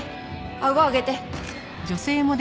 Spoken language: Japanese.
あご上げて。